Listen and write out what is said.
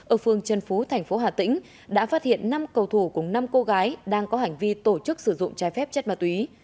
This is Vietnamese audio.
ở phương trần phú thành phố hà tĩnh đã phát hiện năm cầu thủ cùng năm cô gái đang có hành vi tổ chức sử dụng trái phép chất ma túy